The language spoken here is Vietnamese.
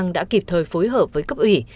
đã xử lý hợp với cấp ủy